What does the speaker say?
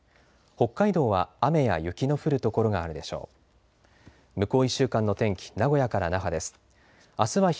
北海道は雨や雪の降る所があるでしょう。